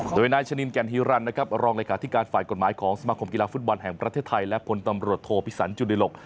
โดยนายชะนินแก่นฮีรันนะครับรองเลขาธิการฝ่ายกฎหมายของสมาคมกีฬาฟุตบอลแห่งประเทศไทยและพลตำรวจโทพิสันจุดิหลก